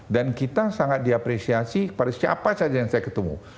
dan kita sangat diapresiasi pada siapa saja yang saya ketemu